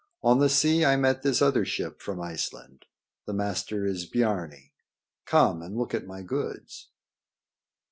On the sea I met this other ship from Iceland. The master is Biarni. Come and look at my goods."